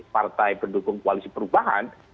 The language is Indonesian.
partai pendukung koalisi perubahan